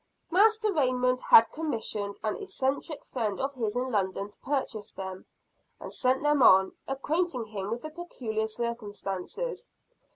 Master Raymond had commissioned an eccentric friend of his in London to purchase them, and send them on; acquainting him with the peculiar circumstances.